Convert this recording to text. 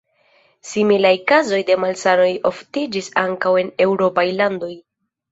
Similaj kazoj de la malsano oftiĝis ankaŭ en eŭropaj landoj.